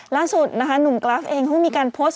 ล่าสุดนะคะน้องกรัฟท์เองก็มีการโพสต์